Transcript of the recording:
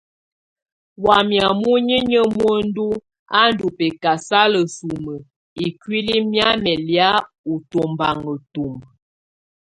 Wamɛ̀á munyinyǝ muǝndu á ndù bɛkasala sumǝ ikuili mɛ̀amɛ lɛ̀á ù tubaŋa ntumbǝ.